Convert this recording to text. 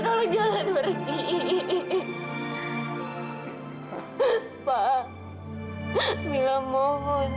tolong jangan pergi